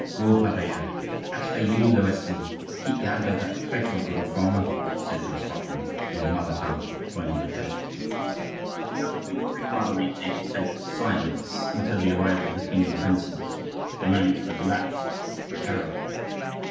Go, Pardaillan.—As for you, Lewiston, keep guard over that traitor of a Reformer," she said to the Scotchman in his mother tongue, pointing to Christophe. The young queen and queen mother maintained a total silence until the arrival of the king and princes. The moments that elapsed were terrible.